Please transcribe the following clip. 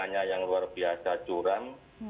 rasanya yang luar biasa curam